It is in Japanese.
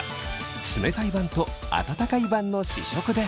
冷たい版と温かい版の試食です。